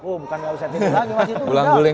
oh bukan nggak bisa tidur lagi mas itu udah